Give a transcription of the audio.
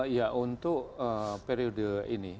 ya untuk periode ini